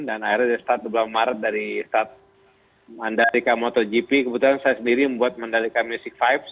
dan akhirnya dari saat bulan maret dari saat mandalika motogp kebetulan saya sendiri membuat mandalika music vibes